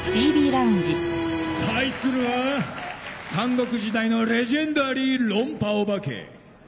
対するは三国時代のレジェンダリー論破オバケ。